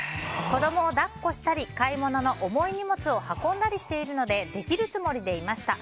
子供を抱っこしたり買い物の重い荷物を運んだりしているのでできるつもりでいました。